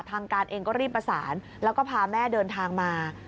ทางการเองก็รีบประสานแล้วก็พาแม่เดินทางมา